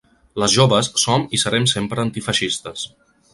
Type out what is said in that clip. Les joves som i serem sempre antifeixistes!